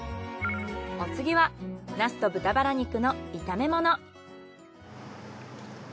お次はナスと豚バラ肉の炒め物。